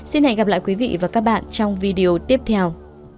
xin hẹn gặp lại quý vị và các bạn trong video tiếp theo